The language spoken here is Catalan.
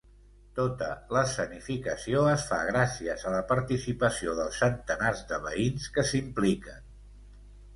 Tota l'escenificació es fa gràcies a la participació dels centenars de veïns que s'impliquen.